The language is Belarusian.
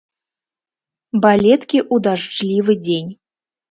Балеткі ў дажджлівы дзень.